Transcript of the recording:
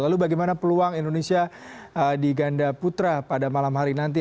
lalu bagaimana peluang indonesia di ganda putra pada malam hari nanti